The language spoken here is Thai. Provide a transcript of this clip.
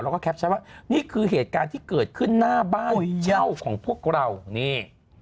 แล้วก็แคปชั่นว่านี่คือเหตุการณ์ที่เกิดขึ้นหน้าบ้านเย่าของพวกเรานี่